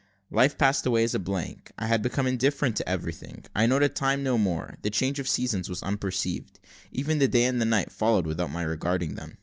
Life passed away as a blank I had become indifferent to everything I noted time no more the change of seasons was unperceived even the day and the night followed without my regarding them.